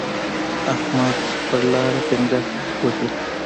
احمد په لاره ډینګګ وهي.